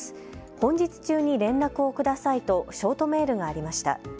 本日中に連絡をくださいとショートメールがありました。